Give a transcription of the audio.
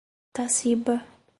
Taciba